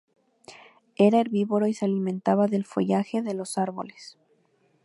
Era herbívoro y se alimentaba del follaje de los árboles.